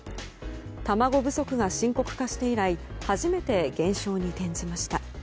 卵不足が深刻化して以来初めて減少に転じました。